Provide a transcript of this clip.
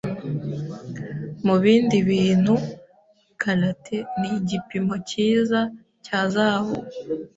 Mubindi bintu, karat ni igipimo cyiza cya zahabu.